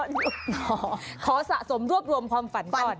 อ่าอออออออออขอจัดสนุกรวมความฝันก่อน